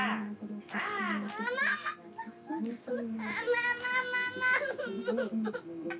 まままま。